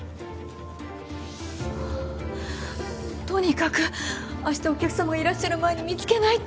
とにかくあしたお客さまがいらっしゃる前に見つけないと。